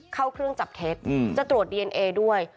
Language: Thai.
เข้าเครื่องจับเท็จจะตรวจดีเอนเอด้วย